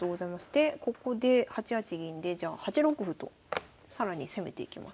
でここで８八銀でじゃあ８六歩と更に攻めていきます。